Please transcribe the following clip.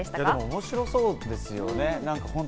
面白そうですよね。